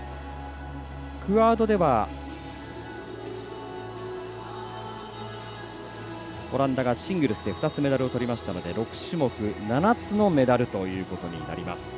クアードでは、オランダがシングルスで２つメダルをとりましたので６種目７つのメダルということになります。